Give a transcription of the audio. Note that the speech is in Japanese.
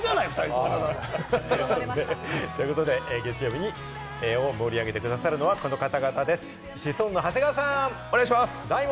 武将じゃない、２人とも。ということで月曜日を盛り上げて下さるのはこちらの方々です。